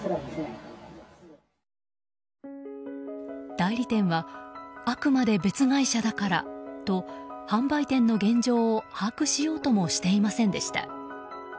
代理店はあくまで別会社だからと販売店の現状を、把握しようともしていませんでした。